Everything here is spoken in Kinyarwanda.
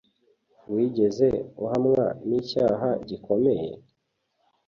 Wigeze uhamwa n'icyaha gikomeye?